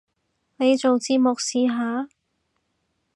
你做節目試下